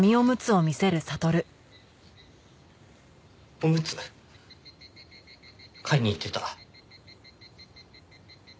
オムツ買いに行ってた。